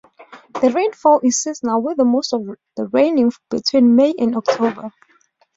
The rainfall is seasonal with most of the rain falling between May and October.